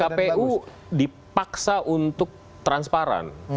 dan kpu dipaksa untuk transparan